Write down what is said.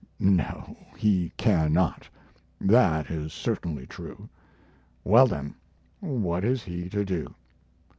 No, he cannot; that is certainly true. Well, then, what is he to do?